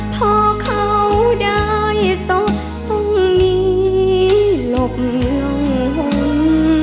พ่อเขาได้สดตรงนี้ลบลงหล่น